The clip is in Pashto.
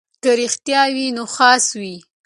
که رښتیا وي نو خاص وي.